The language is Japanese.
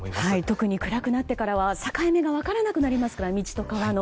特に暗くなってからは境目が分からなくなりますから道と川の。